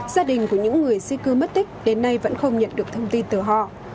gia đình của những người di cư mất tích đến nay vẫn không nhận được thông tin từ họ